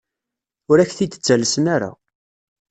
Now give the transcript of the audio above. Ur ak-t-id-ttalsen ara.